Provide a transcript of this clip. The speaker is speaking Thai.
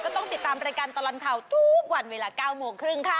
ต้องติดตามรายการตลอดข่าวทุกวันเวลา๙โมงครึ่งค่ะ